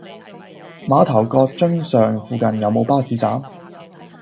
馬頭角瑧尚附近有無巴士站？